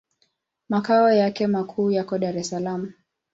Makao yake makuu yako Dar es Salaam.